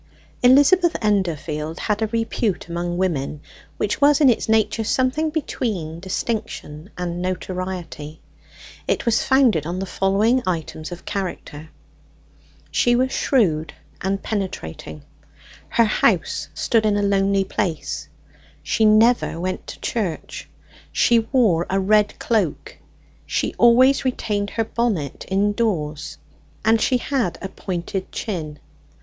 Elizabeth Endorfield had a repute among women which was in its nature something between distinction and notoriety. It was founded on the following items of character. She was shrewd and penetrating; her house stood in a lonely place; she never went to church; she wore a red cloak; she always retained her bonnet indoors and she had a pointed chin.